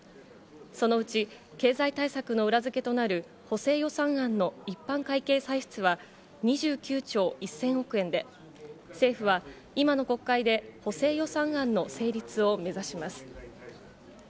そのうち経済対策の裏付けとなる補正予算案の一般会計歳出は２９兆１０００億円で、政府は今の国会で補正予算案の成立を目指します。